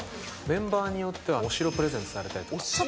メンバーによっては、お城プレゼントされたりとか。